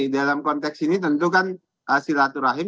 dalam konteks ini tentukan silaturahim